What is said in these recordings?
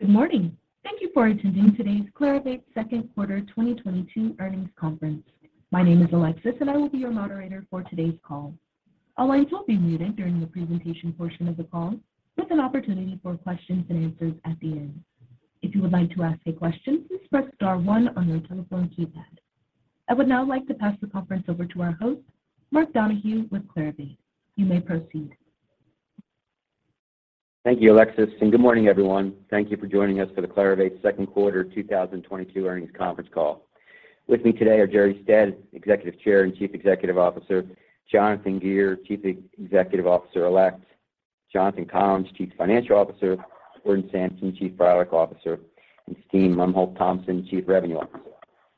Good morning. Thank you for attending today's Clarivate second quarter 2022 earnings conference. My name is Alexis, and I will be your moderator for today's call. All lines will be muted during the presentation portion of the call with an opportunity for questions and answers at the end. If you would like to ask a question, please press star one on your telephone keypad. I would now like to pass the conference over to our host, Mark Donohue with Clarivate. You may proceed. Thank you, Alexis, and good morning, everyone. Thank you for joining us for the Clarivate second quarter 2022 earnings conference call. With me today are Jerre Stead, Executive Chair and Chief Executive Officer, Jonathan Gear, Chief Executive Officer Elect, Jonathan Collins, Chief Financial Officer, Gordon Samson, Chief Product Officer, and Steen Lomholt-Thomsen, Chief Revenue Officer.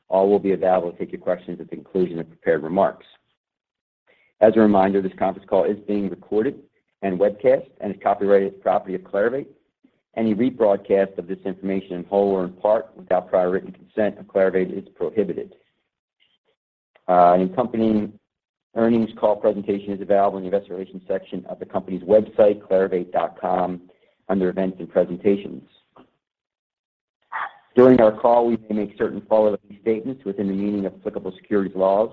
All will be available to take your questions at the conclusion of prepared remarks. As a reminder, this conference call is being recorded and webcast and is copyrighted as the property of Clarivate. Any rebroadcast of this information in whole or in part without prior written consent of Clarivate is prohibited. An accompanying earnings call presentation is available in the investor relations section of the company's website, clarivate.com, under Events and Presentations. During our call, we may make certain forward-looking statements within the meaning of applicable securities laws.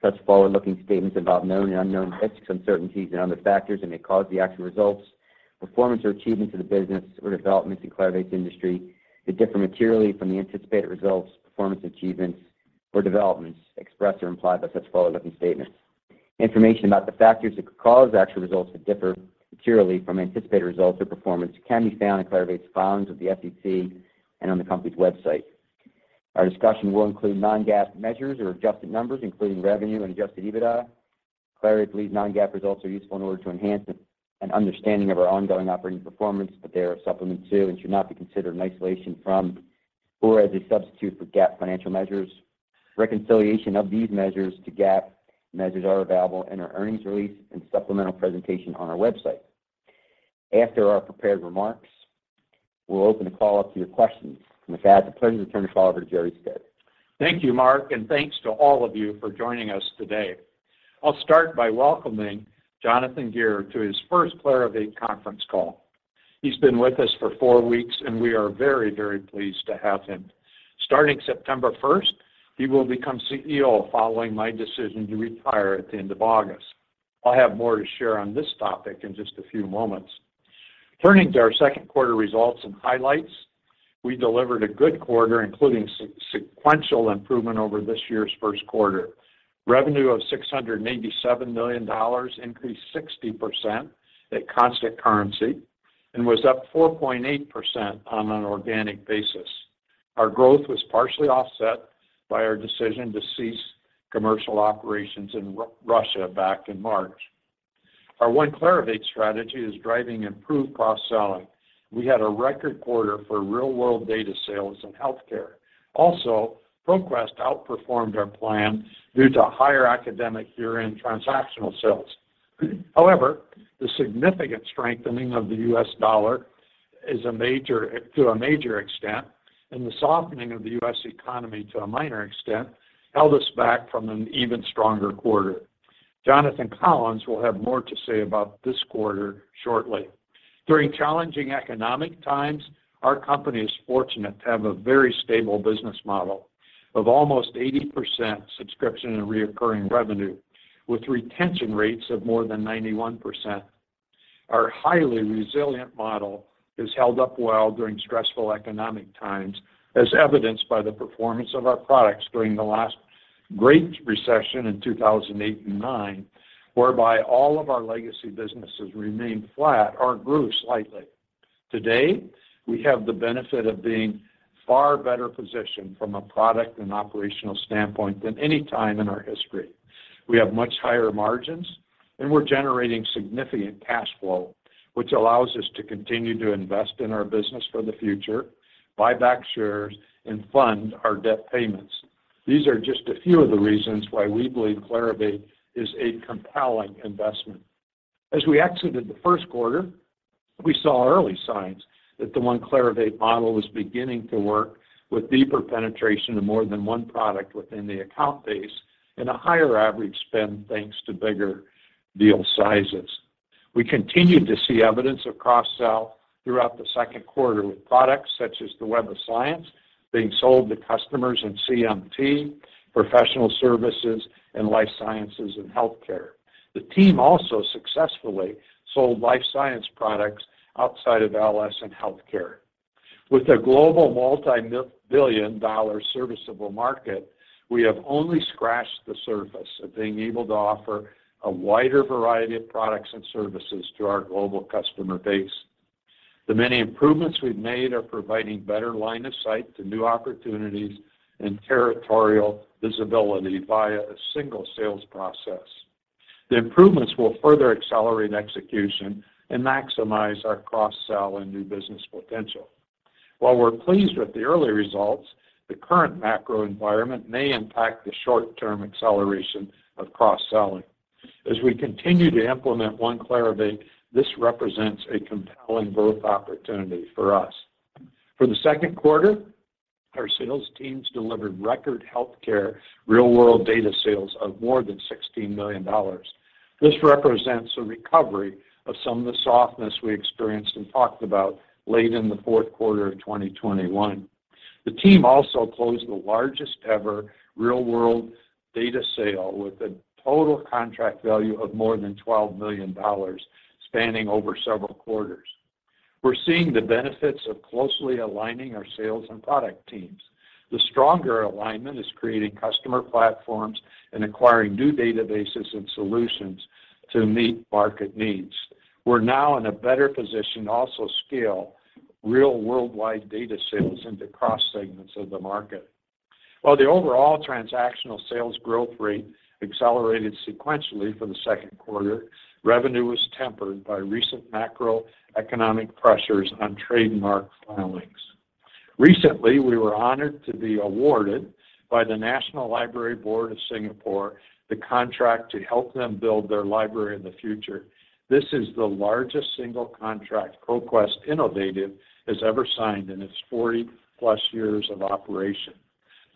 Such forward-looking statements involve known and unknown risks, uncertainties, and other factors that may cause the actual results, performance or achievements of the business or developments in Clarivate's industry to differ materially from the anticipated results, performance, achievements, or developments expressed or implied by such forward-looking statements. Information about the factors that could cause actual results to differ materially from anticipated results or performance can be found in Clarivate's filings with the SEC and on the company's website. Our discussion will include non-GAAP measures or adjusted numbers, including revenue and adjusted EBITDA. Clarivate believes non-GAAP results are useful in order to enhance an understanding of our ongoing operating performance, but they are a supplement to and should not be considered in isolation from or as a substitute for GAAP financial measures. Reconciliation of these measures to GAAP measures are available in our earnings release and supplemental presentation on our website. After our prepared remarks, we'll open the call up to your questions. With that, it's a pleasure to turn the call over to Jerre Stead. Thank you, Mark, and thanks to all of you for joining us today. I'll start by welcoming Jonathan Gear to his first Clarivate conference call. He's been with us for four weeks, and we are very, very pleased to have him. Starting September 1st, he will become CEO following my decision to retire at the end of August. I'll have more to share on this topic in just a few moments. Turning to our second quarter results and highlights, we delivered a good quarter, including sequential improvement over this year's first quarter. Revenue of $687 million increased 60% at constant currency and was up 4.8% on an organic basis. Our growth was partially offset by our decision to cease commercial operations in Russia back in March. Our One Clarivate strategy is driving improved cross-selling. We had a record quarter for real-world data sales in healthcare. Also, ProQuest outperformed our plan due to higher academic year-end transactional sales. However, the significant strengthening of the US dollar to a major extent, and the softening of the U.S. economy to a minor extent, held us back from an even stronger quarter. Jonathan Collins will have more to say about this quarter shortly. During challenging economic times, our company is fortunate to have a very stable business model of almost 80% subscription and recurring revenue, with retention rates of more than 91%. Our highly resilient model has held up well during stressful economic times, as evidenced by the performance of our products during the last great recession in 2008 and 2009, whereby all of our legacy businesses remained flat or grew slightly. Today, we have the benefit of being far better positioned from a product and operational standpoint than any time in our history. We have much higher margins, and we're generating significant cash flow, which allows us to continue to invest in our business for the future, buy back shares, and fund our debt payments. These are just a few of the reasons why we believe Clarivate is a compelling investment. As we exited the first quarter, we saw early signs that the One Clarivate model was beginning to work with deeper penetration to more than one product within the account base and a higher average spend thanks to bigger deal sizes. We continued to see evidence of cross-sell throughout the second quarter with products such as the Web of Science being sold to customers in CMT, professional services, and life sciences and healthcare. The team also successfully sold life science products outside of LS and healthcare. With a global multi-billion dollar serviceable market, we have only scratched the surface of being able to offer a wider variety of products and services to our global customer base. The many improvements we've made are providing better line of sight to new opportunities and territorial visibility via a single sales process. The improvements will further accelerate execution and maximize our cross-sell and new business potential. While we're pleased with the early results, the current macro environment may impact the short-term acceleration of cross-selling. As we continue to implement One Clarivate, this represents a compelling growth opportunity for us. For the second quarter, our sales teams delivered record healthcare real-world data sales of more than $16 million. This represents a recovery of some of the softness we experienced and talked about late in the fourth quarter of 2021. The team also closed the largest ever real-world data sale with a total contract value of more than $12 million spanning over several quarters. We're seeing the benefits of closely aligning our sales and product teams. The stronger alignment is creating customer platforms and acquiring new databases and solutions to meet market needs. We're now in a better position to also scale real-world wide data sales into cross segments of the market. While the overall transactional sales growth rate accelerated sequentially for the second quarter, revenue was tempered by recent macroeconomic pressures on trademark filings. Recently, we were honored to be awarded by the National Library Board of Singapore the contract to help them build their library in the future. This is the largest single contract ProQuest Innovative has ever signed in its 40+ years of operation.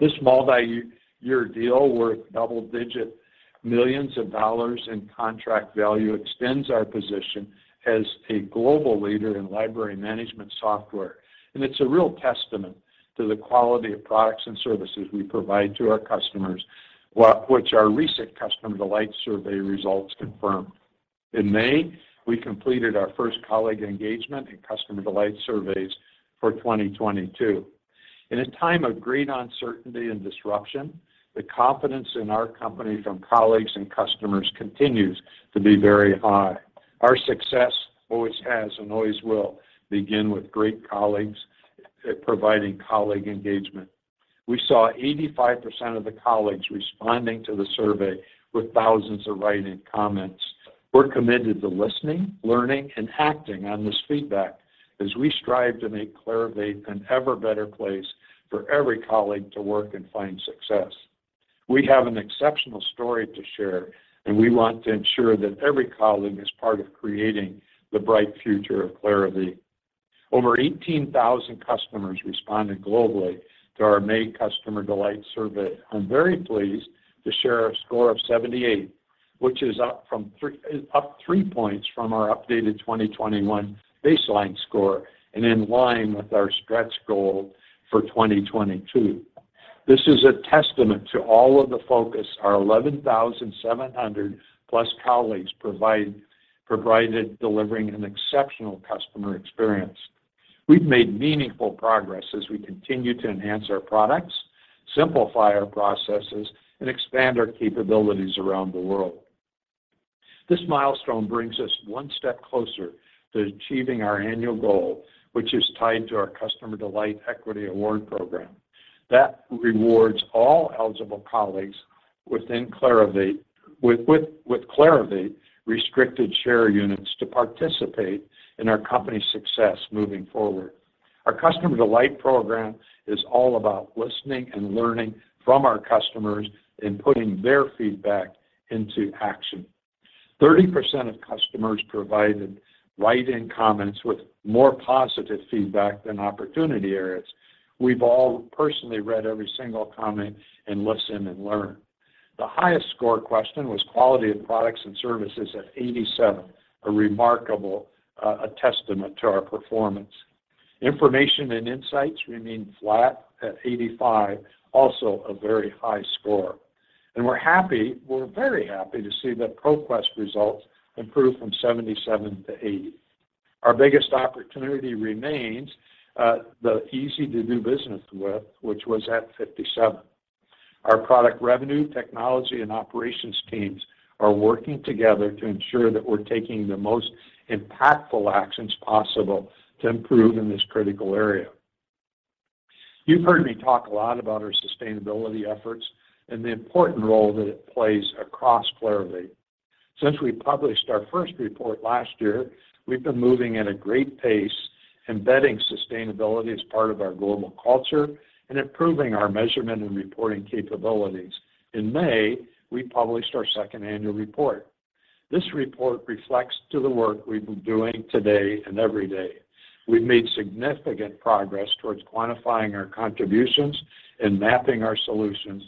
This multi-year deal worth double-digit millions of dollars in contract value extends our position as a global leader in library management software, and it's a real testament to the quality of products and services we provide to our customers, which our recent Customer Delight Survey results confirmed. In May, we completed our first colleague engagement and Customer Delight Surveys for 2022. In a time of great uncertainty and disruption, the confidence in our company from colleagues and customers continues to be very high. Our success always has and always will begin with great colleagues providing colleague engagement. We saw 85% of the colleagues responding to the survey with thousands of written comments. We're committed to listening, learning, and acting on this feedback as we strive to make Clarivate an ever better place for every colleague to work and find success. We have an exceptional story to share, and we want to ensure that every colleague is part of creating the bright future of Clarivate. Over 18,000 customers responded globally to our May Customer Delight Survey. I'm very pleased to share a score of 78, which is up 3 points from our updated 2021 baseline score and in line with our stretch goal for 2022. This is a testament to all of the focus our 11,700+ colleagues provided delivering an exceptional customer experience. We've made meaningful progress as we continue to enhance our products, simplify our processes, and expand our capabilities around the world. This milestone brings us one step closer to achieving our annual goal, which is tied to our Customer Delight Equity Award program. That rewards all eligible colleagues within Clarivate with Clarivate restricted share units to participate in our company's success moving forward. Our Customer Delight program is all about listening and learning from our customers and putting their feedback into action. 30% of customers provided write-in comments with more positive feedback than opportunity areas. We've all personally read every single comment and listen and learn. The highest score question was quality of products and services at 87, a remarkable testament to our performance. Information and insights remained flat at 85, also a very high score. We're very happy to see that ProQuest results improved from 77 to 80. Our biggest opportunity remains the easy to do business with, which was at 57. Our product revenue, technology, and operations teams are working together to ensure that we're taking the most impactful actions possible to improve in this critical area. You've heard me talk a lot about our sustainability efforts and the important role that it plays across Clarivate. Since we published our first report last year, we've been moving at a great pace, embedding sustainability as part of our global culture and improving our measurement and reporting capabilities. In May, we published our second annual report. This report reflects the work we've been doing today and every day. We've made significant progress towards quantifying our contributions and mapping our solutions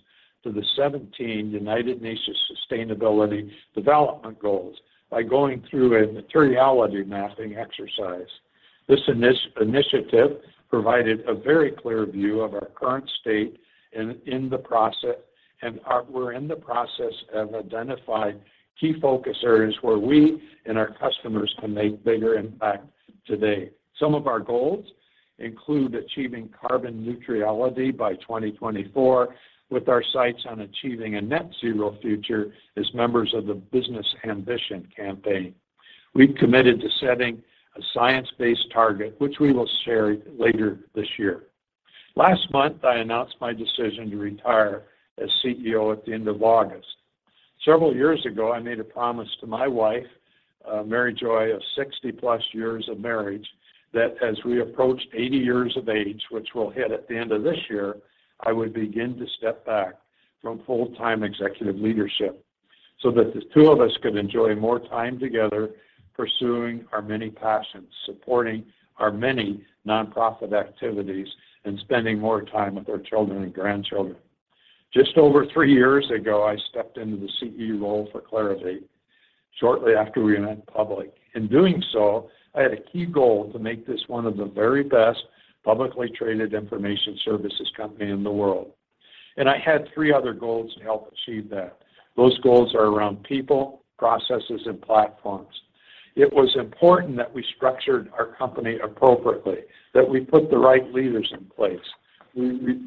to the 17 United Nations Sustainable Development Goals by going through a materiality mapping exercise. This initiative provided a very clear view of our current state in the process of identifying key focus areas where we and our customers can make bigger impact today. Some of our goals include achieving carbon neutrality by 2024 with our sights on achieving a net zero future as members of the Business Ambition campaign. We've committed to setting a science-based target, which we will share later this year. Last month, I announced my decision to retire as CEO at the end of August. Several years ago, I made a promise to my wife, Mary Joy, of 60+ years of marriage, that as we approached 80 years of age, which we'll hit at the end of this year, I would begin to step back from full-time executive leadership so that the two of us could enjoy more time together pursuing our many passions, supporting our many nonprofit activities, and spending more time with our children and grandchildren. Just over three years ago, I stepped into the CEO role for Clarivate shortly after we went public. In doing so, I had a key goal to make this one of the very best publicly traded information services company in the world. I had three other goals to help achieve that. Those goals are around people, processes, and platforms. It was important that we structured our company appropriately, that we put the right leaders in place,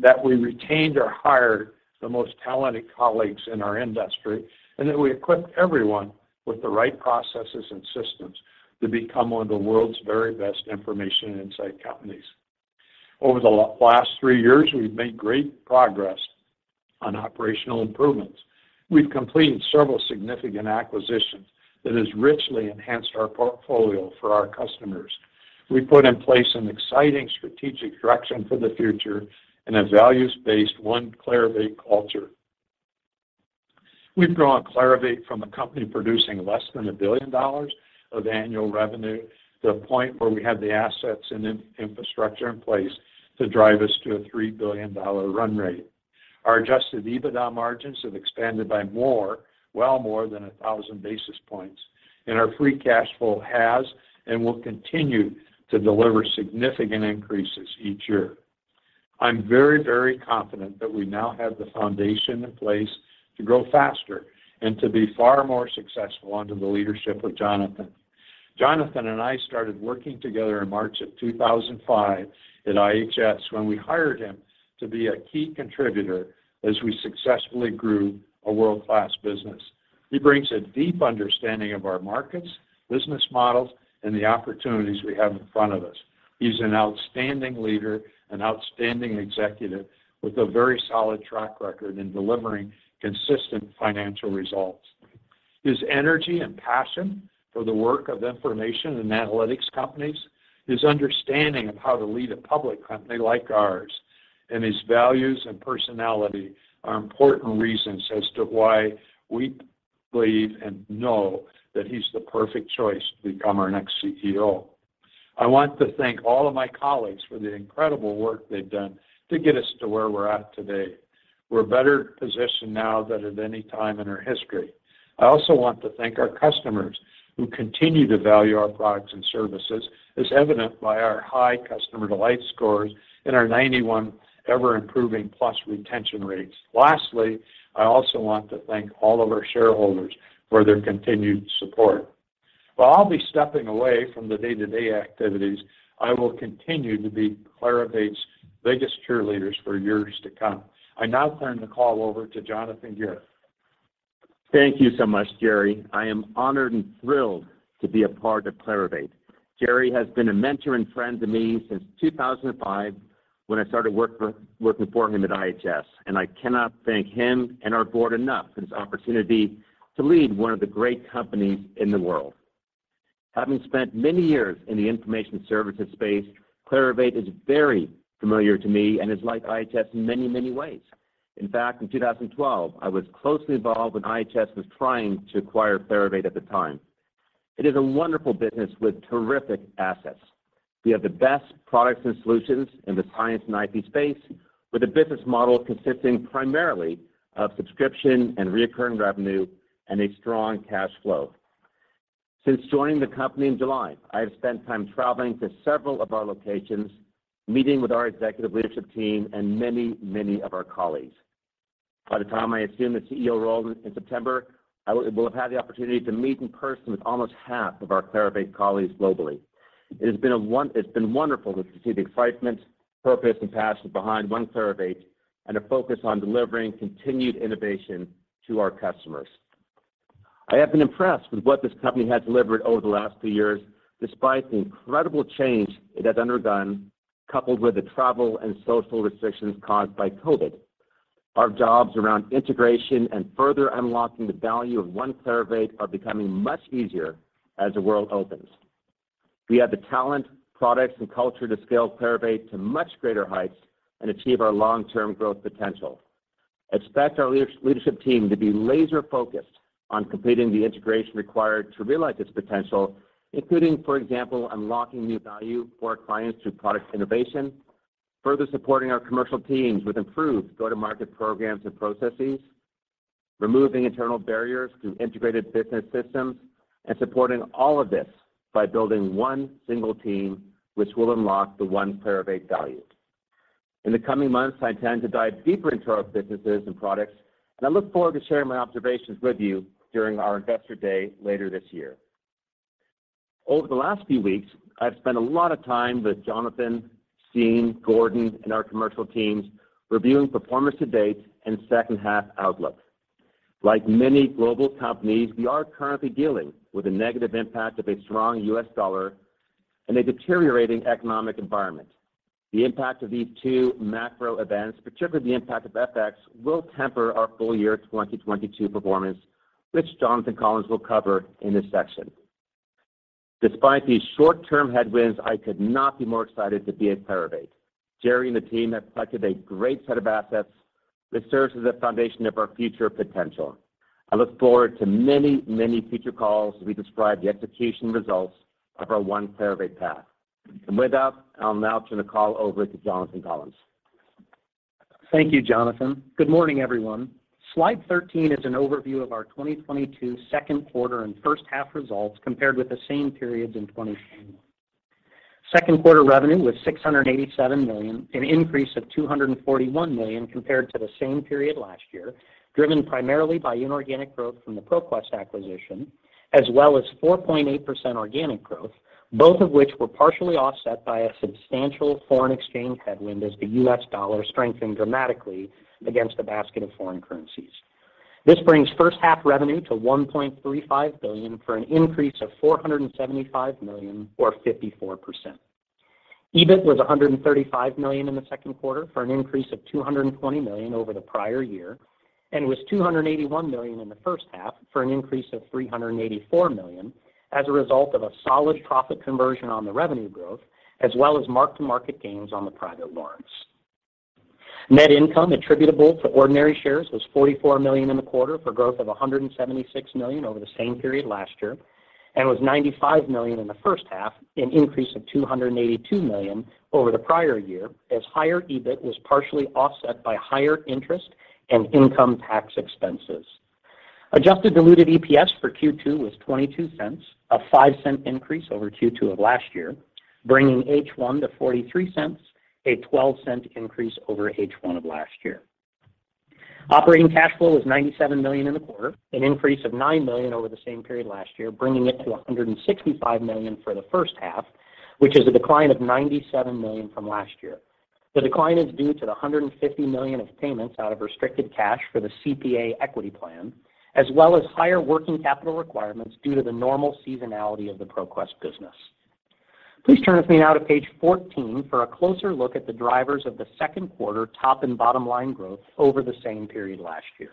that we retained or hired the most talented colleagues in our industry, and that we equipped everyone with the right processes and systems to become one of the world's very best information and insight companies. Over the last three years, we've made great progress on operational improvements. We've completed several significant acquisitions that has richly enhanced our portfolio for our customers. We put in place an exciting strategic direction for the future and a values-based One Clarivate culture. We've grown Clarivate from a company producing less than $1 billion of annual revenue to a point where we have the assets and infrastructure in place to drive us to a $3 billion run rate. Our adjusted EBITDA margins have expanded by more than 1,000 basis points, and our free cash flow has and will continue to deliver significant increases each year. I'm very, very confident that we now have the foundation in place to grow faster and to be far more successful under the leadership of Jonathan. Jonathan and I started working together in March 2005 at IHS when we hired him to be a key contributor as we successfully grew a world-class business. He brings a deep understanding of our markets, business models, and the opportunities we have in front of us. He's an outstanding leader and outstanding executive with a very solid track record in delivering consistent financial results. His energy and passion for the work of information and analytics companies, his understanding of how to lead a public company like ours, and his values and personality are important reasons as to why we believe and know that he's the perfect choice to become our next CEO. I want to thank all of my colleagues for the incredible work they've done to get us to where we're at today. We're better positioned now than at any time in our history. I also want to thank our customers who continue to value our products and services, as evident by our high customer delight scores and our 91% ever-improving plus retention rates. Lastly, I also want to thank all of our shareholders for their continued support. While I'll be stepping away from the day-to-day activities, I will continue to be Clarivate's biggest cheerleaders for years to come. I now turn the call over to Jonathan Gear. Thank you so much, Jerre. I am honored and thrilled to be a part of Clarivate. Jerre has been a mentor and friend to me since 2005 when I started working for him at IHS, and I cannot thank him and our board enough for this opportunity to lead one of the great companies in the world. Having spent many years in the information services space, Clarivate is very familiar to me and is like IHS in many, many ways. In fact, in 2012, I was closely involved when IHS was trying to acquire Clarivate at the time. It is a wonderful business with terrific assets. We have the best products and solutions in the science and IP space, with a business model consisting primarily of subscription and recurring revenue and a strong cash flow. Since joining the company in July, I have spent time traveling to several of our locations, meeting with our executive leadership team and many, many of our colleagues. By the time I assume the CEO role in September, I will have had the opportunity to meet in person with almost half of our Clarivate colleagues globally. It's been wonderful to see the excitement, purpose and passion behind one Clarivate and a focus on delivering continued innovation to our customers. I have been impressed with what this company has delivered over the last two years, despite the incredible change it has undergone, coupled with the travel and social restrictions caused by COVID. Our jobs around integration and further unlocking the value of one Clarivate are becoming much easier as the world opens. We have the talent, products, and culture to scale Clarivate to much greater heights and achieve our long-term growth potential. Expect our leadership team to be laser-focused on completing the integration required to realize its potential, including, for example, unlocking new value for our clients through product innovation, further supporting our commercial teams with improved go-to-market programs and processes, removing internal barriers through integrated business systems, and supporting all of this by building one single team which will unlock the One Clarivate value. In the coming months, I intend to dive deeper into our businesses and products, and I look forward to sharing my observations with you during our investor day later this year. Over the last few weeks, I've spent a lot of time with Jonathan, Steen, Gordon, and our commercial teams reviewing performance to date and second half outlook. Like many global companies, we are currently dealing with the negative impact of a strong US dollar and a deteriorating economic environment. The impact of these two macro events, particularly the impact of FX, will temper our full year 2022 performance, which Jonathan Collins will cover in this section. Despite these short-term headwinds, I could not be more excited to be at Clarivate. Jerre and the team have collected a great set of assets that serves as a foundation of our future potential. I look forward to many, many future calls as we describe the execution results of our One Clarivate path. With that, I'll now turn the call over to Jonathan Collins. Thank you, Jonathan. Good morning, everyone. Slide 13 is an overview of our 2022 second quarter and first half results compared with the same periods in 2021. Second quarter revenue was $687 million, an increase of $241 million compared to the same period last year, driven primarily by inorganic growth from the ProQuest acquisition, as well as 4.8% organic growth, both of which were partially offset by a substantial foreign exchange headwind as the US dollar strengthened dramatically against a basket of foreign currencies. This brings first half revenue to $1.35 billion for an increase of $475 million or 54%. EBIT was $135 million in the second quarter, for an increase of $220 million over the prior year, and was $281 million in the first half for an increase of $384 million as a result of a solid profit conversion on the revenue growth, as well as mark-to-market gains on the private placements. Net income attributable to ordinary shares was $44 million in the quarter for growth of $176 million over the same period last year, and was $95 million in the first half, an increase of $282 million over the prior year as higher EBIT was partially offset by higher interest and income tax expenses. Adjusted diluted EPS for Q2 was $0.22, a $0.05 increase over Q2 of last year, bringing H1 to $0.43, a $0.12 increase over H1 of last year. Operating cash flow was $97 million in the quarter, an increase of $9 million over the same period last year, bringing it to $165 million for the first half, which is a decline of $97 million from last year. The decline is due to the $150 million of payments out of restricted cash for the CPA equity plan, as well as higher working capital requirements due to the normal seasonality of the ProQuest business. Please turn with me now to page 14 for a closer look at the drivers of the second quarter top and bottom line growth over the same period last year.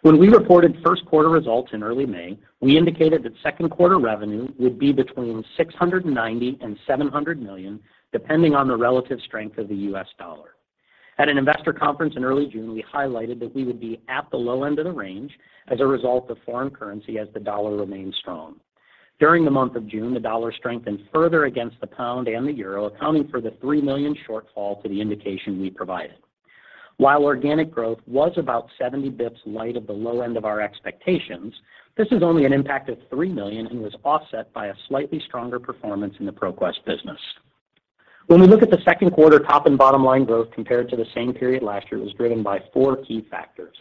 When we reported first quarter results in early May, we indicated that second quarter revenue would be between $690 million and $700 million, depending on the relative strength of the US dollar. At an investor conference in early June, we highlighted that we would be at the low end of the range as a result of foreign currency as the dollar remained strong. During the month of June, the dollar strengthened further against the pound and the euro, accounting for the $3 million shortfall to the indication we provided. While organic growth was about 70 basis points light at the low end of our expectations, this is only an impact of $3 million and was offset by a slightly stronger performance in the ProQuest business. When we look at the second quarter top and bottom line growth compared to the same period last year, it was driven by four key factors.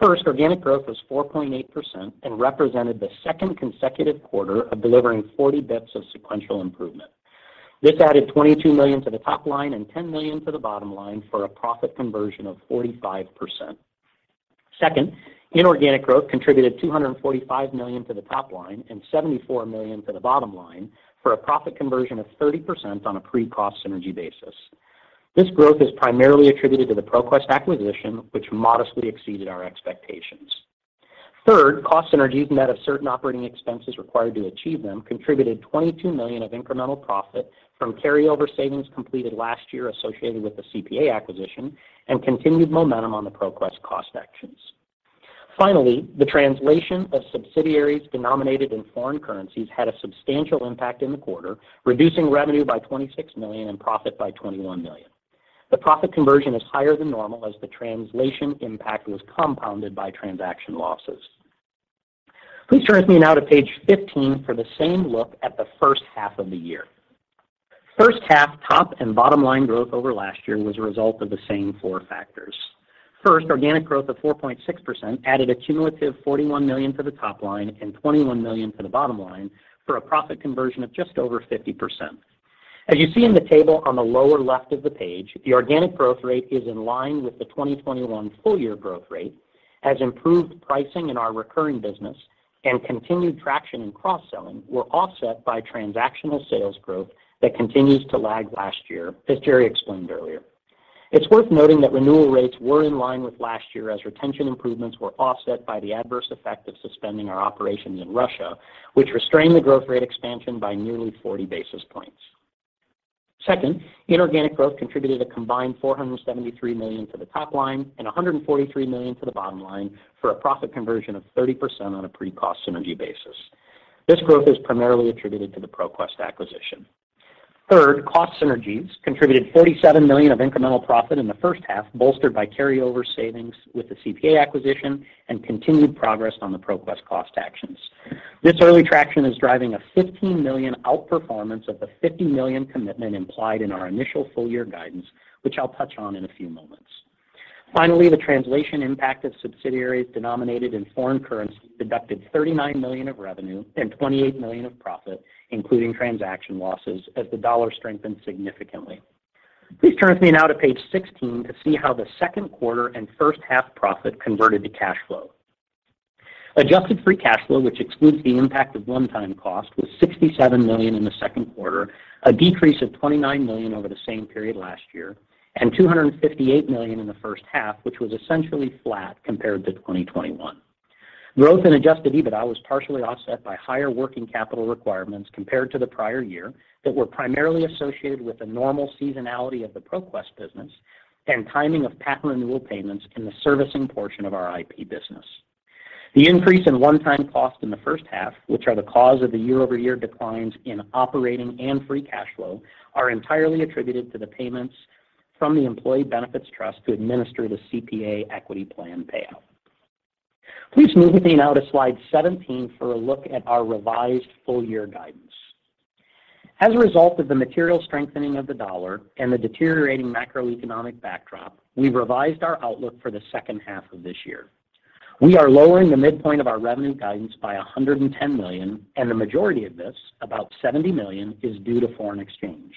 First, organic growth was 4.8% and represented the second consecutive quarter of delivering 40 basis points of sequential improvement. This added $22 million to the top line and $10 million to the bottom line for a profit conversion of 45%. Second, inorganic growth contributed $245 million to the top line and $74 million to the bottom line for a profit conversion of 30% on a pre-cost synergy basis. This growth is primarily attributed to the ProQuest acquisition, which modestly exceeded our expectations. Third, cost synergies net of certain operating expenses required to achieve them contributed $22 million of incremental profit from carryover savings completed last year associated with the CPA acquisition and continued momentum on the ProQuest cost actions. Finally, the translation of subsidiaries denominated in foreign currencies had a substantial impact in the quarter, reducing revenue by $26 million and profit by $21 million. The profit conversion is higher than normal as the translation impact was compounded by transaction losses. Please turn with me now to page 15 for the same look at the first half of the year. First half top and bottom line growth over last year was a result of the same four factors. First, organic growth of 4.6% added a cumulative $41 million to the top line and $21 million to the bottom line for a profit conversion of just over 50%. As you see in the table on the lower left of the page, the organic growth rate is in line with the 2021 full year growth rate as improved pricing in our recurring business and continued traction in cross-selling were offset by transactional sales growth that continues to lag last year as Jerre explained earlier. It's worth noting that renewal rates were in line with last year as retention improvements were offset by the adverse effect of suspending our operations in Russia, which restrained the growth rate expansion by nearly 40 basis points. Second, inorganic growth contributed a combined $473 million to the top line and $143 million to the bottom line for a profit conversion of 30% on a pre-cost synergy basis. This growth is primarily attributed to the ProQuest acquisition. Third, cost synergies contributed $47 million of incremental profit in the first half, bolstered by carryover savings with the CPA acquisition and continued progress on the ProQuest cost actions. This early traction is driving a $15 million outperformance of the $50 million commitment implied in our initial full year guidance, which I'll touch on in a few moments. Finally, the translation impact of subsidiaries denominated in foreign currency deducted $39 million of revenue and $28 million of profit, including transaction losses as the dollar strengthened significantly. Please turn with me now to page 16 to see how the second quarter and first half profit converted to cash flow. Adjusted free cash flow, which excludes the impact of one-time cost, was $67 million in the second quarter. A decrease of $29 million over the same period last year and $258 million in the first half, which was essentially flat compared to 2021. Growth in adjusted EBITDA was partially offset by higher working capital requirements compared to the prior year that were primarily associated with the normal seasonality of the ProQuest business and timing of patent renewal payments in the servicing portion of our IP business. The increase in one-time costs in the first half, which are the cause of the year-over-year declines in operating and free cash flow, are entirely attributed to the payments from the employee benefits trust to administer the CPA equity plan payout. Please move with me now to slide 17 for a look at our revised full year guidance. As a result of the material strengthening of the dollar and the deteriorating macroeconomic backdrop, we've revised our outlook for the second half of this year. We are lowering the midpoint of our revenue guidance by $110 million, and the majority of this, about $70 million, is due to foreign exchange.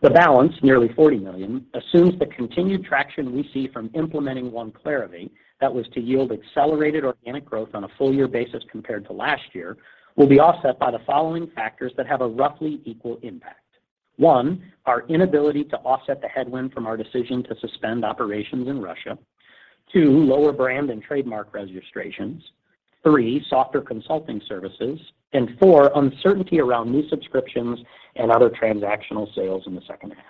The balance, nearly $40 million, assumes the continued traction we see from implementing One Clarivate that was to yield accelerated organic growth on a full year basis compared to last year will be offset by the following factors that have a roughly equal impact. One, our inability to offset the headwind from our decision to suspend operations in Russia. Two, lower brand and trademark registrations. Three, softer consulting services. And four, uncertainty around new subscriptions and other transactional sales in the second half.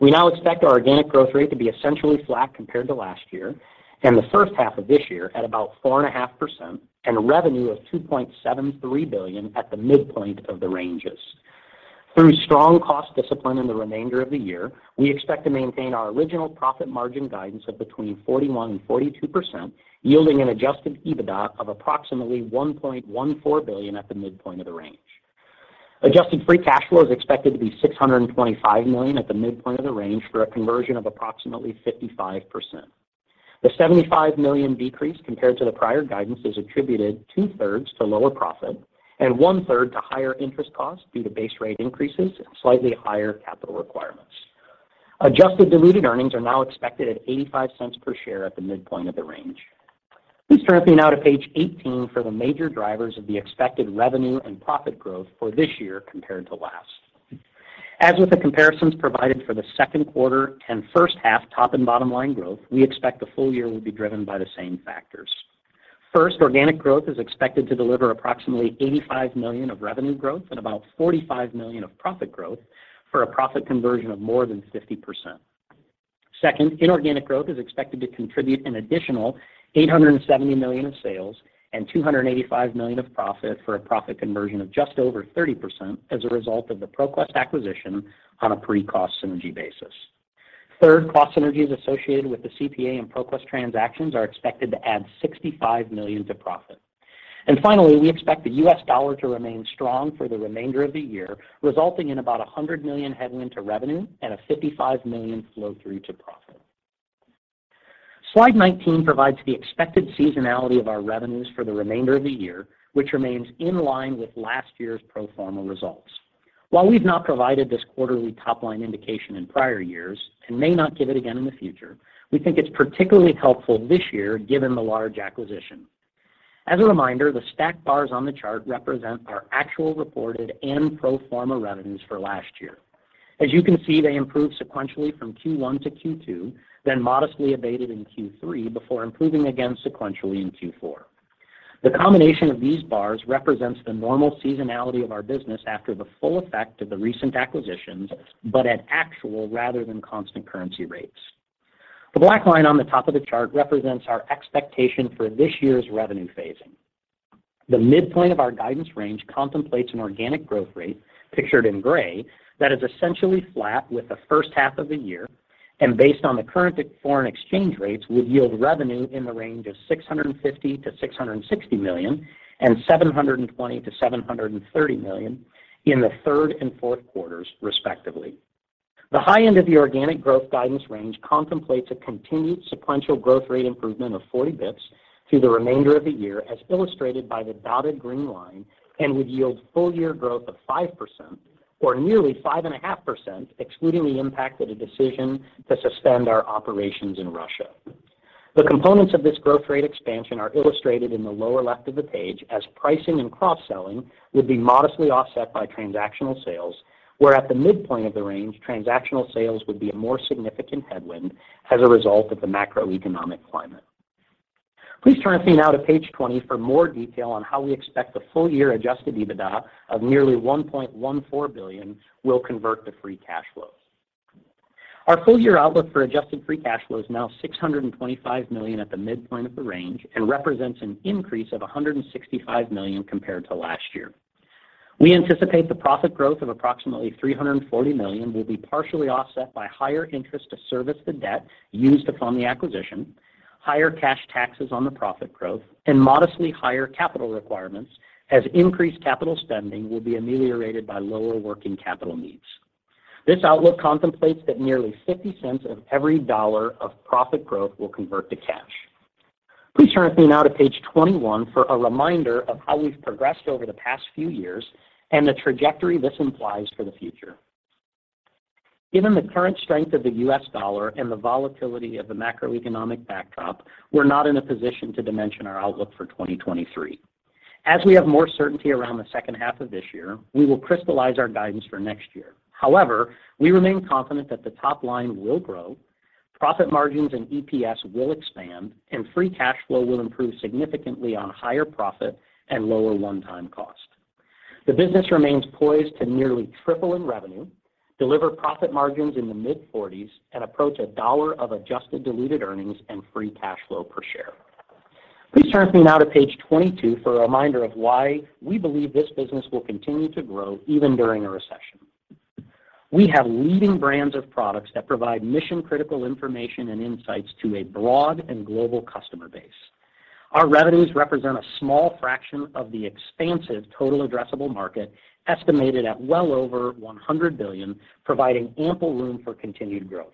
We now expect our organic growth rate to be essentially flat compared to last year and the first half of this year at about 4.5% and revenue of $2.73 billion at the midpoint of the ranges. Through strong cost discipline in the remainder of the year, we expect to maintain our original profit margin guidance of between 41% and 42%, yielding an adjusted EBITDA of approximately $1.14 billion at the midpoint of the range. Adjusted free cash flow is expected to be $625 million at the midpoint of the range for a conversion of approximately 55%. The $75 million decrease compared to the prior guidance is attributed 2/3 to lower profit and 1/3 to higher interest costs due to base rate increases and slightly higher capital requirements. Adjusted diluted earnings are now expected at $0.85 per share at the midpoint of the range. Please turn with me now to page 18 for the major drivers of the expected revenue and profit growth for this year compared to last. As with the comparisons provided for the second quarter and first half top and bottom line growth, we expect the full year will be driven by the same factors. First, organic growth is expected to deliver approximately $85 million of revenue growth and about $45 million of profit growth for a profit conversion of more than 50%. Second, inorganic growth is expected to contribute an additional $870 million of sales and $285 million of profit for a profit conversion of just over 30% as a result of the ProQuest acquisition on a pre-cost synergy basis. Third, cost synergies associated with the CPA and ProQuest transactions are expected to add $65 million to profit. Finally, we expect the US dollar to remain strong for the remainder of the year, resulting in about $100 million headwind to revenue and a $55 million flow through to profit. Slide 19 provides the expected seasonality of our revenues for the remainder of the year, which remains in line with last year's pro forma results. While we've not provided this quarterly top-line indication in prior years and may not give it again in the future, we think it's particularly helpful this year given the large acquisition. As a reminder, the stacked bars on the chart represent our actual reported and pro forma revenues for last year. As you can see, they improved sequentially from Q1 to Q2, then modestly abated in Q3 before improving again sequentially in Q4. The combination of these bars represents the normal seasonality of our business after the full effect of the recent acquisitions, but at actual rather than constant currency rates. The black line on the top of the chart represents our expectation for this year's revenue phasing. The midpoint of our guidance range contemplates an organic growth rate pictured in gray that is essentially flat with the first half of the year and based on the current foreign exchange rates would yield revenue in the range of $650 million-$660 million and $720 million-$730 million in the third and fourth quarters, respectively. The high end of the organic growth guidance range contemplates a continued sequential growth rate improvement of 40 basis points through the remainder of the year as illustrated by the dotted green line and would yield full year growth of 5% or nearly 5.5%, excluding the impact of the decision to suspend our operations in Russia. The components of this growth rate expansion are illustrated in the lower left of the page as pricing and cross-selling would be modestly offset by transactional sales, where at the midpoint of the range, transactional sales would be a more significant headwind as a result of the macroeconomic climate. Please turn with me now to page 20 for more detail on how we expect the full year adjusted EBITDA of nearly $1.14 billion will convert to free cash flow. Our full year outlook for adjusted free cash flow is now $625 million at the midpoint of the range and represents an increase of $165 million compared to last year. We anticipate the profit growth of approximately $340 million will be partially offset by higher interest to service the debt used upon the acquisition, higher cash taxes on the profit growth, and modestly higher capital requirements as increased capital spending will be ameliorated by lower working capital needs. This outlook contemplates that nearly $0.50 of every $1 of profit growth will convert to cash. Please turn with me now to page 21 for a reminder of how we've progressed over the past few years and the trajectory this implies for the future. Given the current strength of the US dollar and the volatility of the macroeconomic backdrop, we're not in a position to dimension our outlook for 2023. As we have more certainty around the second half of this year, we will crystallize our guidance for next year. However, we remain confident that the top line will grow, profit margins and EPS will expand, and free cash flow will improve significantly on higher profit and lower one-time cost. The business remains poised to nearly triple in revenue, deliver profit margins in the mid-40s%, and approach $1 of adjusted diluted earnings and free cash flow per share. Please turn to me now to page 22 for a reminder of why we believe this business will continue to grow even during a recession. We have leading brands of products that provide mission-critical information and insights to a broad and global customer base. Our revenues represent a small fraction of the expansive total addressable market, estimated at well over $100 billion, providing ample room for continued growth.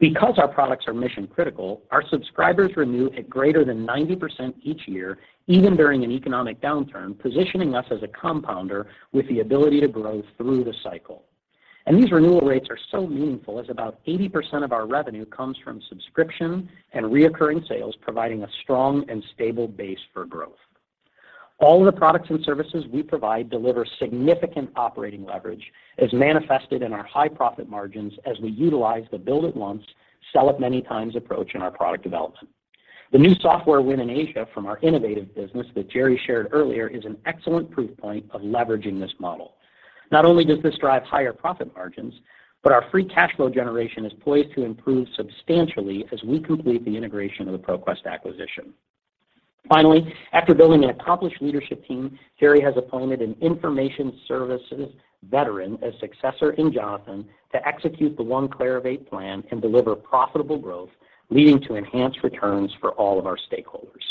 Because our products are mission-critical, our subscribers renew at greater than 90% each year, even during an economic downturn, positioning us as a compounder with the ability to grow through the cycle. These renewal rates are so meaningful as about 80% of our revenue comes from subscription and recurring sales, providing a strong and stable base for growth. All of the products and services we provide deliver significant operating leverage as manifested in our high profit margins as we utilize the build it once, sell it many times approach in our product development. The new software win in Asia from our Innovative business that Jerre shared earlier is an excellent proof point of leveraging this model. Not only does this drive higher profit margins, but our free cash flow generation is poised to improve substantially as we complete the integration of the ProQuest acquisition. Finally, after building an accomplished leadership team, Jerre has appointed an information services veteran, a successor in Jonathan, to execute the One Clarivate plan and deliver profitable growth, leading to enhanced returns for all of our stakeholders.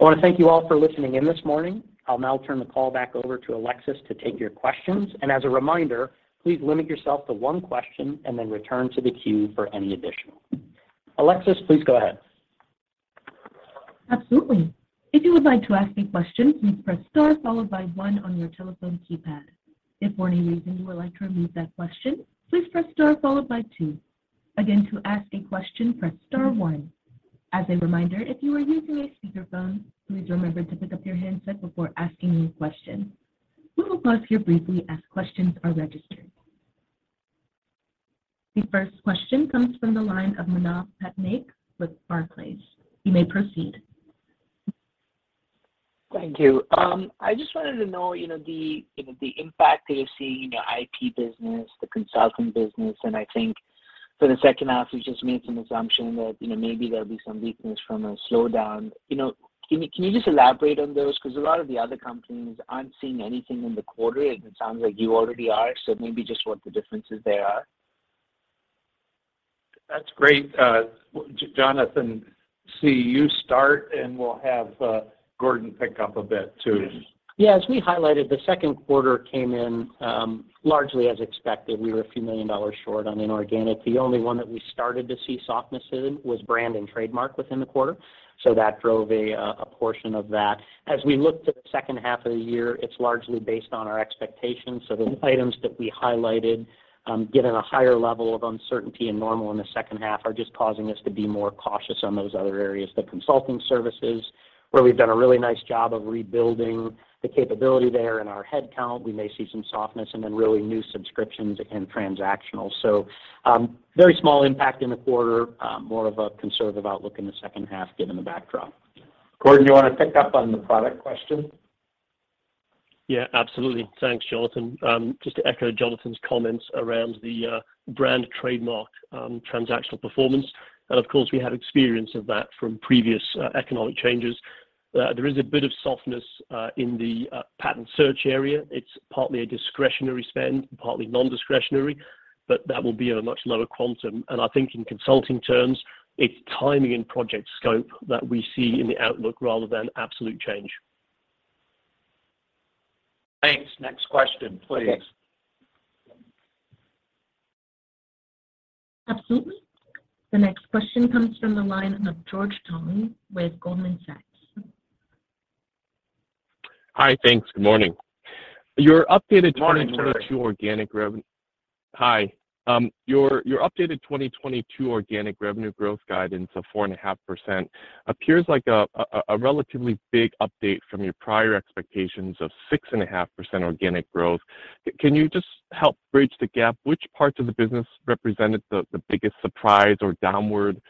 I want to thank you all for listening in this morning. I'll now turn the call back over to Alexis to take your questions. As a reminder, please limit yourself to one question and then return to the queue for any additional. Alexis, please go ahead. Absolutely. If you would like to ask a question, please press star followed by one on your telephone keypad. If for any reason you would like to remove that question, please press star followed by two. Again, to ask a question, press star one. As a reminder, if you are using a speakerphone, please remember to pick up your handset before asking any question. We will pause here briefly as questions are registered. The first question comes from the line of Manav Patnaik with Barclays. You may proceed. Thank you. I just wanted to know, you know, the, you know, the impact that you're seeing in your IP business, the consulting business, and I think for the second half, you just made some assumption that, you know, maybe there'll be some weakness from a slowdown. You know, can you, can you just elaborate on those? Because a lot of the other companies aren't seeing anything in the quarter, and it sounds like you already are. Maybe just what the differences there are. That's great. Jonathan C., you start, and we'll have Gordon pick up a bit too. Yeah. As we highlighted, the second quarter came in largely as expected. We were a few million dollars short on inorganic. The only one that we started to see softness in was brand and trademark within the quarter. That drove a portion of that. As we look to the second half of the year, it's largely based on our expectations. The items that we highlighted, given a higher level of uncertainty and normal in the second half, are just causing us to be more cautious on those other areas. The consulting services, where we've done a really nice job of rebuilding the capability there in our head count, we may see some softness and then really new subscriptions and transactional. Very small impact in the quarter, more of a conservative outlook in the second half given the backdrop. Gordon, you want to pick up on the product question? Yeah, absolutely. Thanks, Jonathan. Just to echo Jonathan's comments around the brand trademark transactional performance. Of course, we have experience of that from previous economic changes. There is a bit of softness in the patent search area. It's partly a discretionary spend, partly non-discretionary, but that will be at a much lower quantum. I think in consulting terms, it's timing and project scope that we see in the outlook rather than absolute change. Thanks. Next question, please. Absolutely. The next question comes from the line of George Tong with Goldman Sachs. Hi. Thanks. Good morning. Good morning, George. Your updated 2022 organic revenue growth guidance of 4.5% appears like a relatively big update from your prior expectations of 6.5% organic growth. Can you just help bridge the gap? Which parts of the business represented the biggest surprise or downward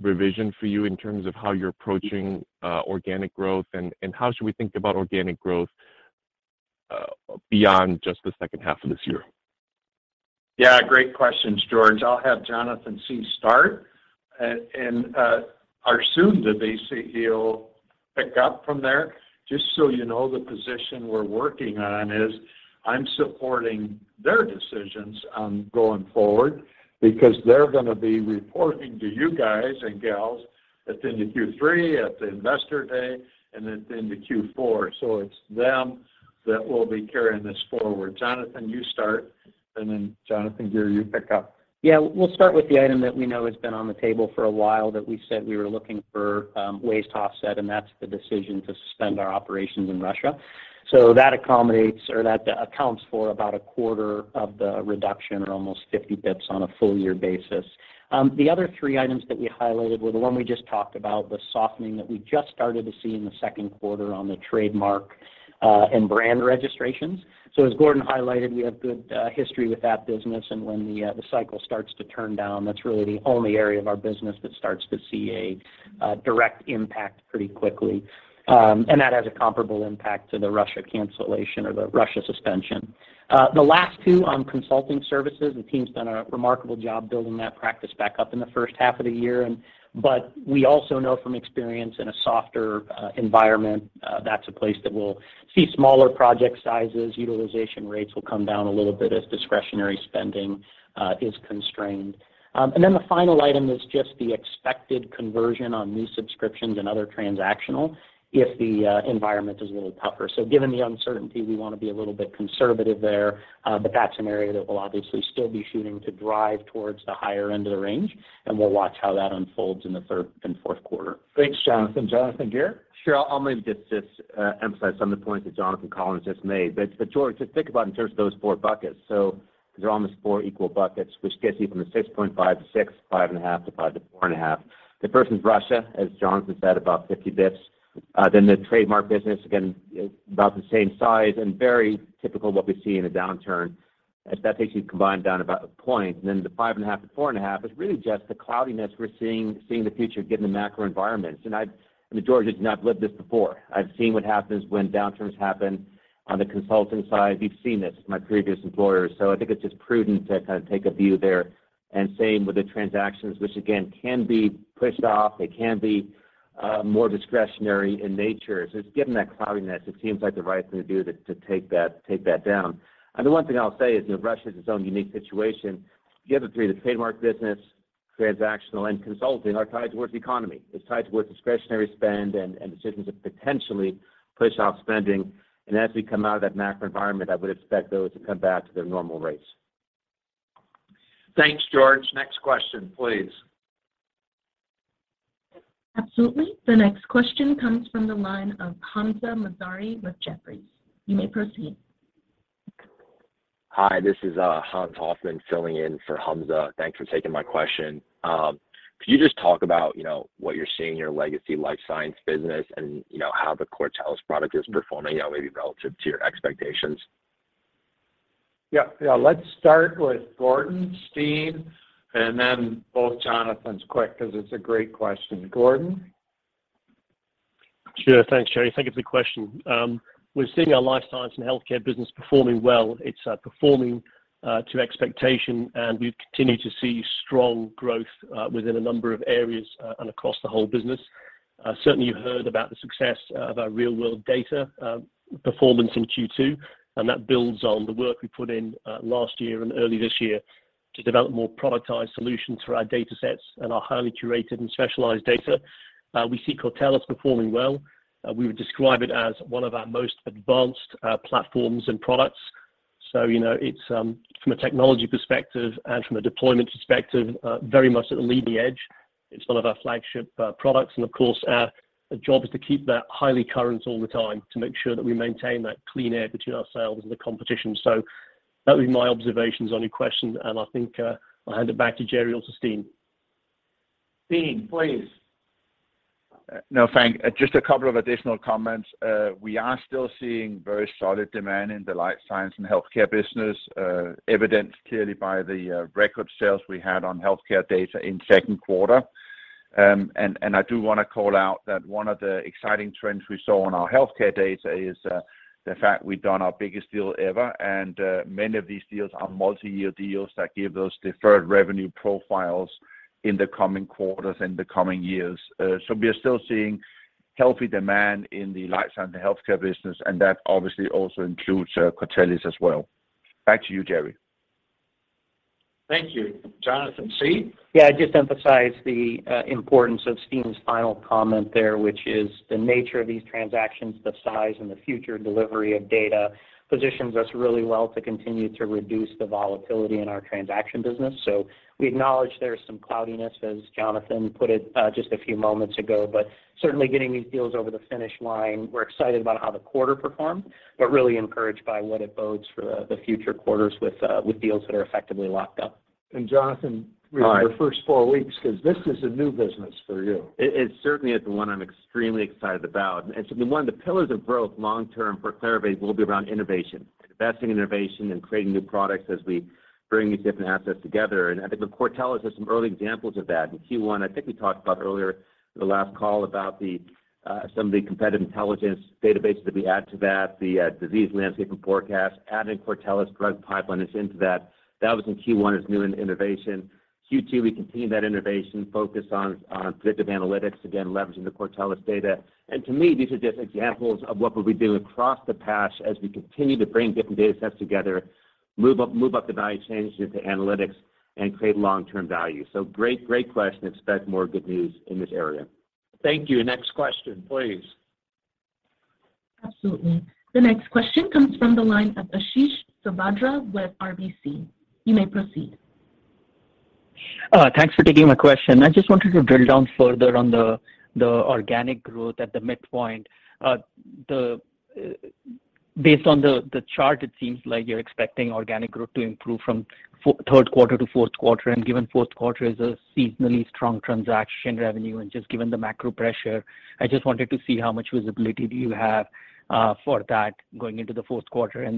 revision for you in terms of how you're approaching organic growth, and how should we think about organic growth beyond just the second half of this year? Yeah, great questions, George. I'll have Jonathan C start, and our soon-to-be CEO pick up from there. Just so you know, the position we're working on is I'm supporting their decisions on going forward because they're gonna be reporting to you guys and gals at the end of Q3, at the Investor Day, and then into Q4. It's them that will be carrying this forward. Jonathan, you start, and then Jonathan Gear, you pick up. Yeah. We'll start with the item that we know has been on the table for a while that we said we were looking for ways to offset, and that's the decision to suspend our operations in Russia. That accommodates or that accounts for about a quarter of the reduction or almost 50 basis points on a full year basis. The other three items that we highlighted were the one we just talked about, the softening that we just started to see in the second quarter on the trademark and brand registrations. As Gordon highlighted, we have good history with that business, and when the cycle starts to turn down, that's really the only area of our business that starts to see a direct impact pretty quickly. That has a comparable impact to the Russia cancellation or the Russia suspension. The last two on consulting services, the team's done a remarkable job building that practice back up in the first half of the year but we also know from experience in a softer environment, that's a place that we'll see smaller project sizes. Utilization rates will come down a little bit as discretionary spending is constrained. The final item is just the expected conversion on new subscriptions and other transactional if the environment is a little tougher. Given the uncertainty, we wanna be a little bit conservative there but that's an area that we'll obviously still be shooting to drive towards the higher end of the range, and we'll watch how that unfolds in the third and fourth quarter. Thanks, Jonathan. Jonathan Gear? Sure. I'll maybe just emphasize some of the points that Jonathan Collins just made. George, just think about in terms of those four buckets. They're almost four equal buckets, which gets you from the 6.5% to 6%, 5.5% to 5% to 4.5%. The first is Russia, as Jonathan said, about 50 basis points. Then the trademark business, again, about the same size and very typical what we see in a downturn. That takes you combined down about a point. Then the 5.5%-4.5% is really just the cloudiness we're seeing the future given the macro environment. I mean, George, I've lived this before. I've seen what happens when downturns happen on the consulting side. We've seen this with my previous employers, so I think it's just prudent to kind of take a view there. Same with the transactions, which again can be pushed off. They can be more discretionary in nature. Just given that cloudiness, it seems like the right thing to do to take that down. The one thing I'll say is, you know, Russia has its own unique situation. The other three, the trademark business, transactional, and consulting are tied towards the economy. It's tied towards discretionary spend and decisions to potentially push off spending. As we come out of that macro environment, I would expect those to come back to their normal rates. Thanks, George. Next question, please. Absolutely. The next question comes from the line of Hamzah Mazari with Jefferies. You may proceed. Hi, this is Hans Hoffman filling in for Hamzah. Thanks for taking my question. Could you just talk about, you know, what you're seeing in your legacy life science business and, you know, how the Cortellis product is performing, you know, maybe relative to your expectations? Yeah. Let's start with Gordon, Steen and then both Jonathans quick 'cause it's a great question. Gordon? Thanks, Jerre. Thank you for the question. We're seeing our life sciences and healthcare business performing well. It's performing to expectation, and we continue to see strong growth within a number of areas and across the whole business. Certainly you heard about the success of our real-world data performance in Q2, and that builds on the work we put in last year and early this year to develop more productized solutions for our datasets and our highly curated and specialized data. We see Cortellis performing well. We would describe it as one of our most advanced platforms and products. So, you know, it's from a technology perspective and from a deployment perspective very much at the leading edge. It's one of our flagship products, and of course our job is to keep that highly current all the time to make sure that we maintain that clear air between ourselves and the competition. That would be my observations on your question, and I think I'll hand it back to Jerre or to Steen. Steen, please. No, thanks. Just a couple of additional comments. We are still seeing very solid demand in the life science and healthcare business, evidenced clearly by the record sales we had on healthcare data in second quarter. And I do wanna call out that one of the exciting trends we saw on our healthcare data is the fact we've done our biggest deal ever, and many of these deals are multi-year deals that give those deferred revenue profiles in the coming quarters, in the coming years. We are still seeing healthy demand in the life science and healthcare business, and that obviously also includes Cortellis as well. Back to you, Jerre. Thank you. Jonathan C? Yeah, I'd just emphasize the importance of Steen's final comment there, which is the nature of these transactions, the size and the future delivery of data positions us really well to continue to reduce the volatility in our transaction business. We acknowledge there is some cloudiness, as Jonathan put it, just a few moments ago. Certainly getting these deals over the finish line, we're excited about how the quarter performed but really encouraged by what it bodes for the future quarters with deals that are effectively locked up. Jonathan- All right. the first four weeks 'cause this is a new business for you. It certainly is the one I'm extremely excited about. One of the pillars of growth long-term for Clarivate will be around innovation, investing in innovation and creating new products as we bring these different assets together. I think Cortellis has some early examples of that. In Q1, I think we talked about earlier in the last call about the some of the competitive intelligence databases that we add to that, the Disease Landscape & Forecast. Adding Cortellis Drug Pipeline in to that. That was in Q1 as new innovation. Q2, we continued that innovation, focused on predictive analytics, again leveraging the Cortellis data. To me, these are just examples of what we'll be doing across the platform as we continue to bring different datasets together, move up the value chain into analytics and create long-term value. Great, great question. Expect more good news in this area. Thank you. Next question, please. Absolutely. The next question comes from the line of Ashish Sabadra with RBC. You may proceed. Thanks for taking my question. I just wanted to drill down further on the organic growth at the midpoint. Based on the chart, it seems like you're expecting organic growth to improve from third quarter to fourth quarter. Given fourth quarter is a seasonally strong transaction revenue and just given the macro pressure, I just wanted to see how much visibility do you have for that going into the fourth quarter.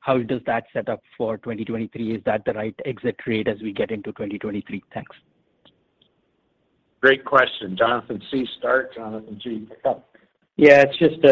How does that set up for 2023? Is that the right exit rate as we get into 2023? Thanks. Great question. Jonathan C., start. Jonathan G., pick up. It's just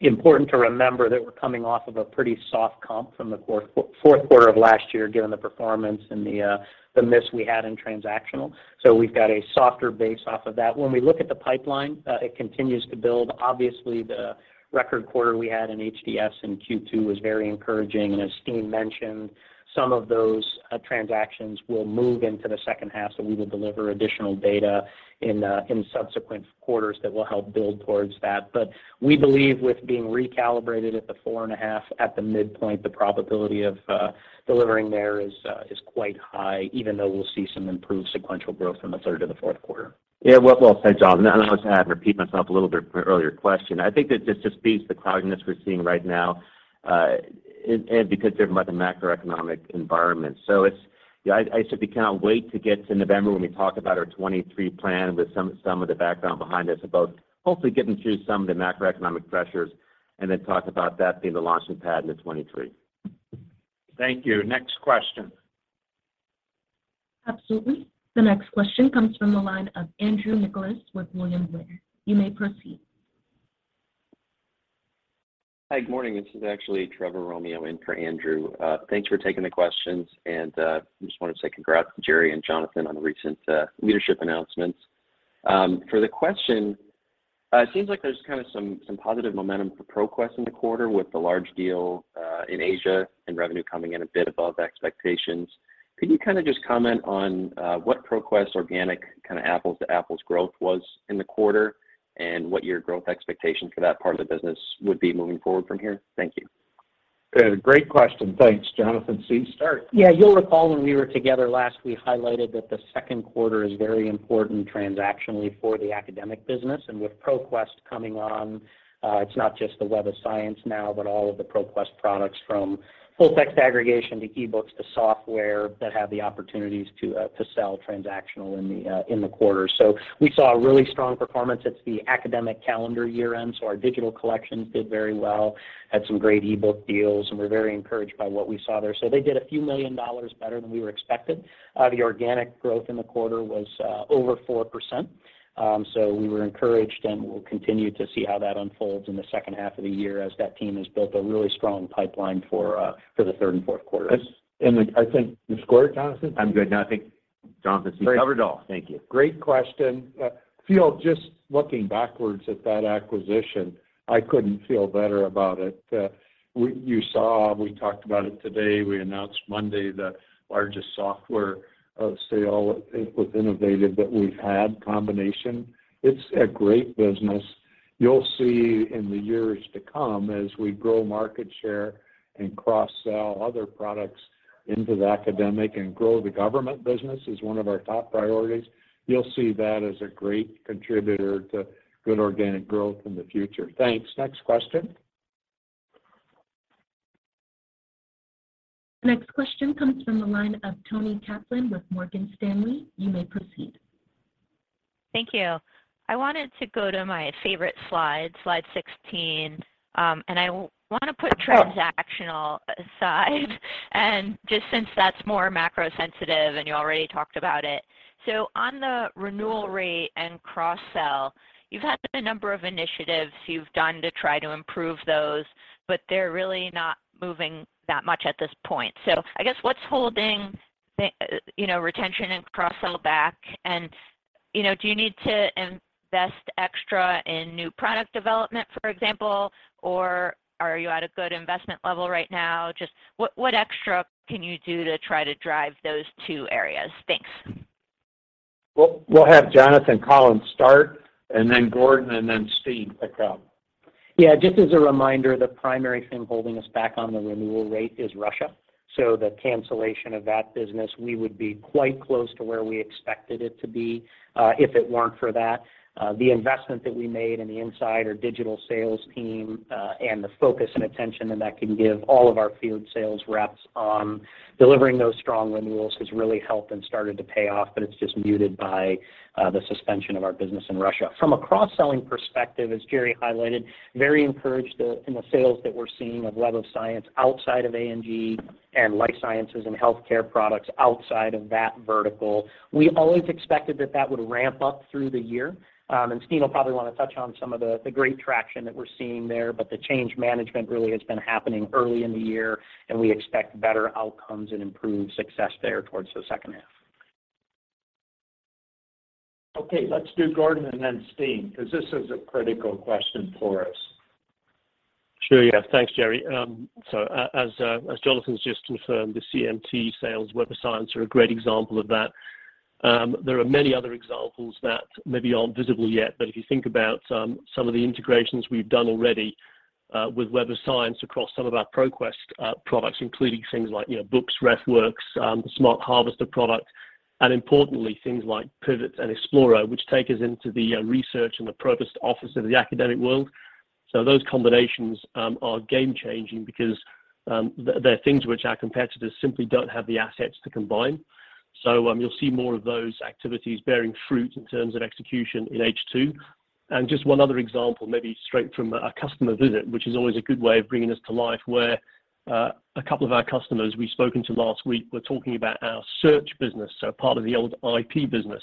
important to remember that we're coming off of a pretty soft comp from the fourth quarter of last year, given the performance and the miss we had in transactional. We've got a softer base off of that. When we look at the pipeline, it continues to build. Obviously, the record quarter we had in HDS in Q2 was very encouraging. As Steen mentioned, some of those transactions will move into the second half, so we will deliver additional data in subsequent quarters that will help build towards that. We believe with being recalibrated at the 4.5% at the midpoint, the probability of delivering there is quite high, even though we'll see some improved sequential growth from the third to the fourth quarter. Yeah. Well said, Jonathan. I know I have to repeat myself a little bit from an earlier question. I think that just speaks to the cloudiness we're seeing right now, and because given the macroeconomic environment. Yeah, I simply cannot wait to get to November when we talk about our 2023 plan with some of the background behind us of both hopefully getting through some of the macroeconomic pressures and then talk about that being the launching pad into 2023. Thank you. Next question. Absolutely. The next question comes from the line of Andrew Nicholas with William Blair. You may proceed. Hi. Good morning. This is actually Trevor Romeo in for Andrew. Thanks for taking the questions. I just wanted to say congrats to Jerre and Jonathan on the recent leadership announcements. For the question, it seems like there's kind of some positive momentum for ProQuest in the quarter with the large deal in Asia and revenue coming in a bit above expectations. Could you kind of just comment on what ProQuest organic kind of apples to apples growth was in the quarter, and what your growth expectation for that part of the business would be moving forward from here? Thank you. Great question. Thanks. Jonathan C, start. Yeah. You'll recall when we were together last, we highlighted that the second quarter is very important transactionally for the academic business. With ProQuest coming on, it's not just the Web of Science now, but all of the ProQuest products from full text aggregation to eBooks to software that have the opportunities to sell transactional in the quarter. We saw a really strong performance. It's the academic calendar year end, so our digital collections did very well, had some great eBook deals, and we're very encouraged by what we saw there. They did a few million dollars better than we were expected. The organic growth in the quarter was over 4%. We were encouraged, and we'll continue to see how that unfolds in the second half of the year as that team has built a really strong pipeline for the third and fourth quarters. I think you scored, Jonathan? I'm good. No, I think Jonathan C covered it all. Thank you. Great question. I feel, just looking backwards at that acquisition, I couldn't feel better about it. You saw, we talked about it today, we announced Monday the largest software sale with Innovative that we've had in combination. It's a great business. You'll see in the years to come as we grow market share and cross-sell other products into the academia and grow the government business is one of our top priorities. You'll see that as a great contributor to good organic growth in the future. Thanks. Next question. Next question comes from the line of Toni Kaplan with Morgan Stanley. You may proceed. Thank you. I wanted to go to my favorite slide 16. I want to put transactional aside and just since that's more macro sensitive, and you already talked about it. On the renewal rate and cross-sell, you've had a number of initiatives you've done to try to improve those, but they're really not moving that much at this point. I guess what's holding you know, retention and cross-sell back? You know, do you need to invest extra in new product development, for example, or are you at a good investment level right now? Just what extra can you do to try to drive those two areas? Thanks. We'll have Jonathan Collins start and then Gordon and then Steen pick up. Just as a reminder, the primary thing holding us back on the renewal rate is Russia. The cancellation of that business, we would be quite close to where we expected it to be, if it weren't for that. The investment that we made in the inside and digital sales team, and the focus and attention that that can give all of our field sales reps on delivering those strong renewals has really helped and started to pay off, but it's just muted by the suspension of our business in Russia. From a cross-selling perspective, as Jerre highlighted, very encouraged in the sales that we're seeing of Web of Science outside of A&G and life sciences and healthcare products outside of that vertical. We always expected that that would ramp up through the year. Steen will probably wanna touch on some of the great traction that we're seeing there. The change management really has been happening early in the year, and we expect better outcomes and improved success there towards the second half. Okay. Let's do Gordon and then Steen, because this is a critical question for us. Sure. Yeah. Thanks, Jerre. As Jonathan's just confirmed, the CMT sales Web of Science are a great example of that. There are many other examples that maybe aren't visible yet, but if you think about some of the integrations we've done already, with Web of Science across some of our ProQuest products, including things like, you know, books, RefWorks, the Smart Harvester product. Importantly, things like Pivot-RP and Esploro, which take us into the research and the provost office of the academic world. Those combinations are game changing because they're things which our competitors simply don't have the assets to combine. You'll see more of those activities bearing fruit in terms of execution in H2. Just one other example, maybe straight from a customer visit, which is always a good way of bringing this to life, where a couple of our customers we've spoken to last week were talking about our search business, so part of the old IP business.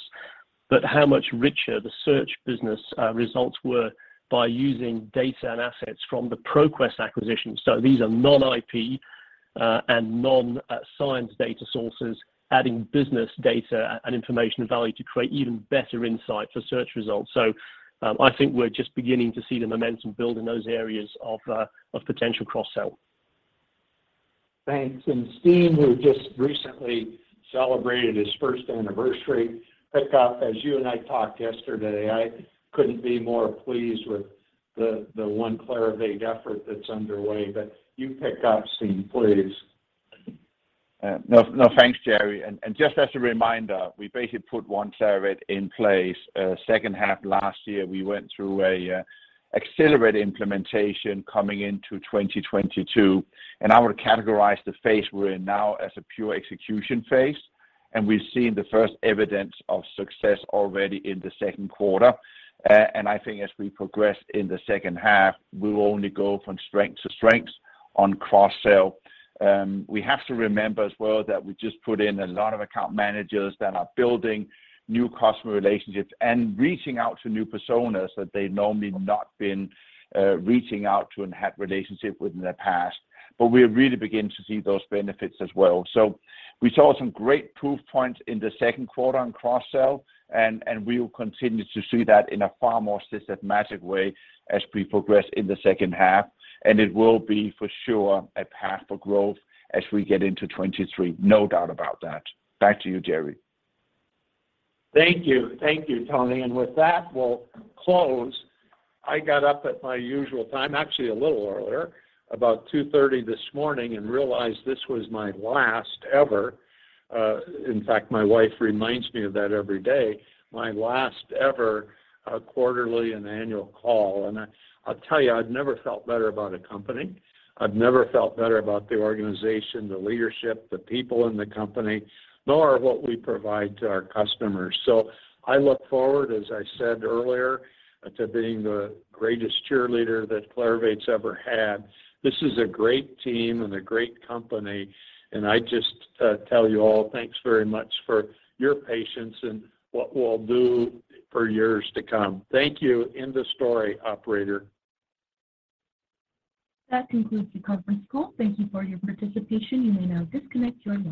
How much richer the search business results were by using data and assets from the ProQuest acquisition. These are non-IP and non-science data sources, adding business data and information value to create even better insight for search results. I think we're just beginning to see the momentum build in those areas of potential cross-sell. Thanks. Steen, who just recently celebrated his first anniversary. Pick up, as you and I talked yesterday, I couldn't be more pleased with the One Clarivate effort that's underway, but you pick up, Steen, please. No, thanks, Jerre. Just as a reminder, we basically put One Clarivate in place second half last year. We went through an accelerated implementation coming into 2022, and I would categorize the phase we're in now as a pure execution phase, and we've seen the first evidence of success already in the second quarter. I think as we progress in the second half, we'll only go from strength to strength on cross-sell. We have to remember as well that we just put in a lot of account managers that are building new customer relationships and reaching out to new personas that they've normally not been reaching out to and had relationship with in their past. We're really beginning to see those benefits as well. We saw some great proof points in the second quarter on cross-sell, and we will continue to see that in a far more systematic way as we progress in the second half. It will be for sure a path for growth as we get into 2023, no doubt about that. Back to you, Jerre. Thank you. Thank you, Toni. With that, we'll close. I got up at my usual time, actually a little earlier, about 2:30 A.M. this morning, and realized this was my last ever, in fact, my wife reminds me of that every day, quarterly and annual call. I'll tell you, I've never felt better about a company. I've never felt better about the organization, the leadership, the people in the company, nor what we provide to our customers. I look forward, as I said earlier, to being the greatest cheerleader that Clarivate's ever had. This is a great team and a great company, and I just tell you all, thanks very much for your patience and what we'll do for years to come. Thank you. End of story, operator. That concludes the conference call. Thank you for your participation. You may now disconnect your line.